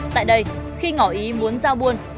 tại đây khi ngõ ý muốn giao buôn